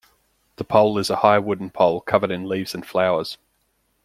The pole is a high wooden pole covered in leaves and flowers.